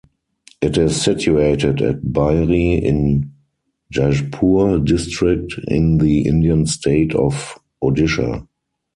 It is situated at Bairi in Jajpur district in the Indian state of Odisha.